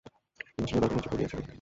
তিনি অস্ট্রেলিয়া দলকে নেতৃত্ব দিয়েছেন।